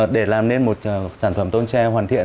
để làm nên một sản phẩm tôm tre hoàn thiện